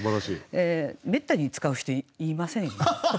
めったに使う人いませんよね。